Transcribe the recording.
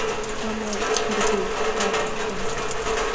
Мамоу, Ҭырбеи, иаҭахӡам…